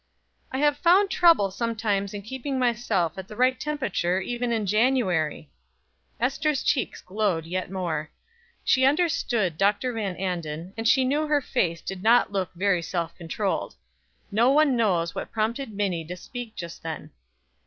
"I have found trouble sometimes in keeping myself at the right temperature even in January." Ester's cheeks glowed yet more. She understood Dr. Van Anden, and she knew her face did not look very self controlled. No one knows what prompted Minnie to speak just then.